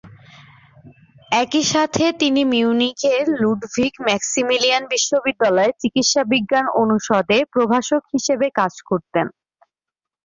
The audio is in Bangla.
একই সাথে তিনি মিউনিখের লুডভিগ-মাক্সিমিলিয়ান বিশ্ববিদ্যালয়ের চিকিৎসাবিজ্ঞান অনুষদে প্রভাষক হিসেবে কাজ করতেন।